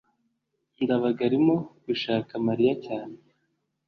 ndabaga arimo gushaka mariya cyane